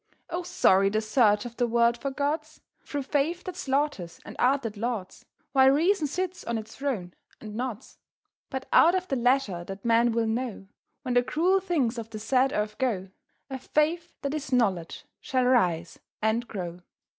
Oh, sorry the search of the world for gods, Through faith that slaughters and art that lauds, While reason sits on its throne and nods. But out of the leisure that men will know, When the cruel things of the sad earth go, A Faith that is Knowledge shall rise and grow.